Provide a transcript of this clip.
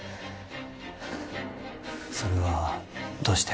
それはどうして？